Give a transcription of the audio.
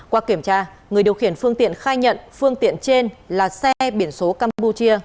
qua kiểm tra người điều khiển phương tiện khai nhận phương tiện trên là xe biển số campuchia